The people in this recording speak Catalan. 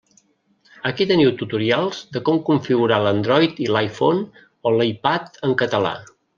Aquí teniu tutorials de com configurar l'Android i l'iPhone o l'iPad en català.